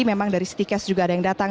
memang dari city cash juga ada yang datang